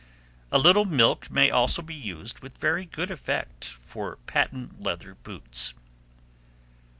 A little milk may also be used with very good effect for patent leather boots.